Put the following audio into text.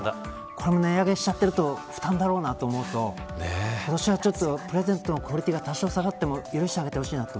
これも値上げしちゃうと負担だなと思うと今年はプレゼントのクオリティーが多少、下がっても許してあげてほしいなと